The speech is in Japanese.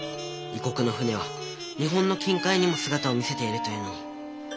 異国の船は日本の近海にも姿を見せているというのに。